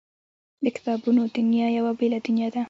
د کتابونو دنیا یوه بېله دنیا ده